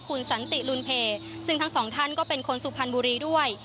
คุณสันติลุนเพซึ่งทั้งสองท่านก็เป็นคนสุพรรณบุรีด้วย